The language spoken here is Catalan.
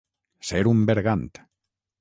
Ser un bergant.